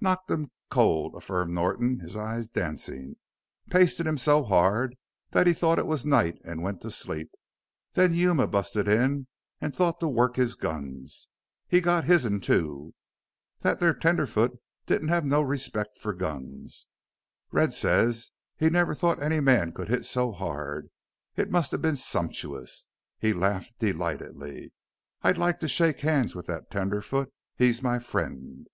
"Knocked him cold," affirmed Norton, his eyes dancing. "Pasted him so hard that he thought it was night an' went to sleep. Then Yuma busted in an' thought to work his guns. He got his'n, too. That there tenderfoot didn't have no respect for guns. Red says he never thought any man could hit so hard. It must have been sumptuous!" He laughed delightedly. "I'd like to shake hands with that tenderfoot he's my friend!"